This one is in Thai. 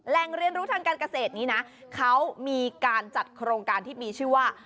เรียนรู้ทางการเกษตรนี้นะเขามีการจัดโครงการที่มีชื่อว่า